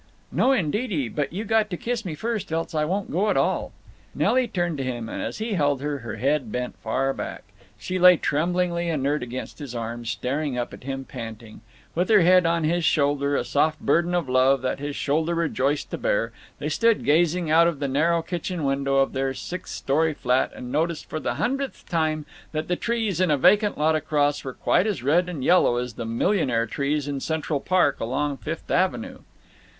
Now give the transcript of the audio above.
"No, indeedy. But you got to kiss me first, else I won't go at all." Nelly turned to him and, as he held her, her head bent far back. She lay tremblingly inert against his arms, staring up at him, panting. With her head on his shoulder—a soft burden of love that his shoulder rejoiced to bear—they stood gazing out of the narrow kitchen window of their sixth story flat and noticed for the hundredth time that the trees in a vacant lot across were quite as red and yellow as the millionaire trees in Central Park along Fifth Avenue.